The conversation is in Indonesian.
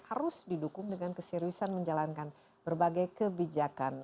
harus didukung dengan keseriusan menjalankan berbagai kebijakan